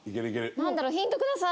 なんだろう？ヒントください！